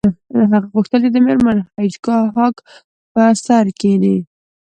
هغه غوښتل چې د میرمن هیج هاګ په سر کښینی